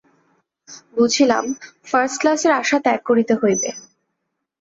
বুঝিলাম, ফার্স্টক্লাসের আশা ত্যাগ করিতে হইবে।